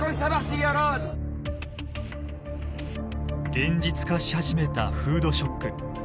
現実化し始めたフードショック。